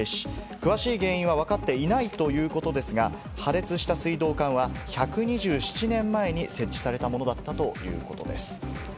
詳しい原因はわかっていないということですが、破裂した水道管は１２７年前に設置されたものだったということです。